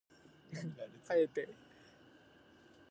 彼女いない歴イコール年齢です